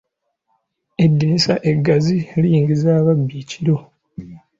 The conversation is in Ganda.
Eddirisa eggazi liyingiza ababbi ekiro.